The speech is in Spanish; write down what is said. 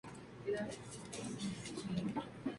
La cabeza es blanca con listas negras a los lados del píleo.